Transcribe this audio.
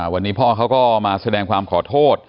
วันนี้พ่อเขาก็มาแสดงความขอโทษ